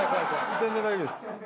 全然大丈夫です。